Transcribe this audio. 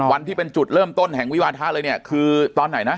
วันที่เป็นจุดเริ่มต้นแห่งวิวาทะเละเลยเนี่ยคือตอนไหนนะ